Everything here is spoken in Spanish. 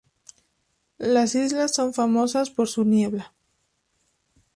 Las islas son famosas por su niebla.